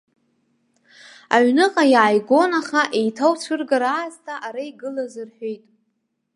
Аҩныҟа иааигон, аха еиҭауцәыргар аасҭа ара игылаз рҳәеит.